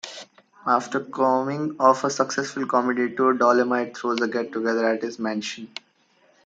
After coming off a successful comedy tour, Dolemite throws a get-together at his mansion.